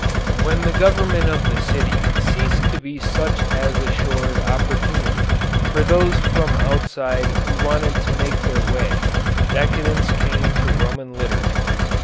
When the government of the city ceased to be such as assured opportunity for those from outside who wanted to make their way, decadence came to Roman literature.